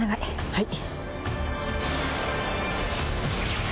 はい。